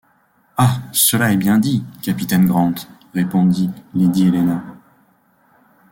Ah! cela est bien dit, capitaine Grant, répondit lady Helena.